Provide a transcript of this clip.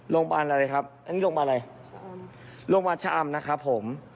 โรงพยาบาลอะไรครับโรงพยาบาลชะอำนะครับผม